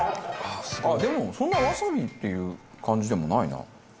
あっでもそんなわさびっていう感じでもないな。